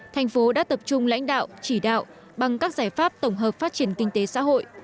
thành phố đã tập trung lãnh đạo chỉ đạo bằng các giải pháp tổng hợp phát triển kinh tế xã hội